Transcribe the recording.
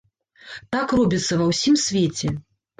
Так робіцца ва ўсім свеце.